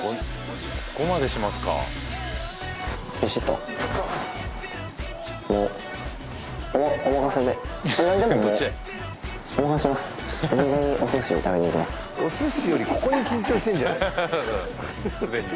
ここまでしますかお寿司よりここに緊張してんじゃない？